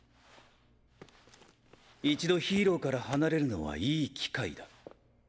一度ヒーローから離れるのはいい機会だ。